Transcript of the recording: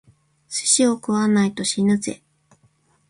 寿司を食わないと死ぬぜ！